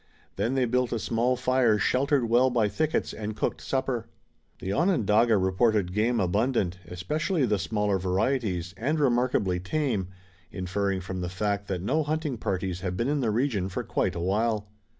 Then they built a small fire sheltered well by thickets, and cooked supper. The Onondaga reported game abundant, especially the smaller varieties, and remarkably tame, inferring from the fact that no hunting parties had been in the region for quite a while.